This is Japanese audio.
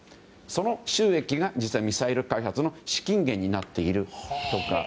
その収益が実はミサイル開発の資金源になっているとか。